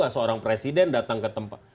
seorang presiden datang ke tempat